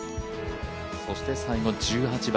そして最後１８番。